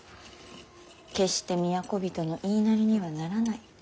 決して都人の言いなりにはならない。